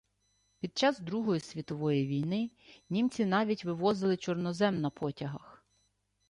Під час Другої Світової війни, німці навіть вивозили чорнозем на потягах